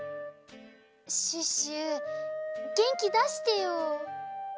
シュッシュげんきだしてよ。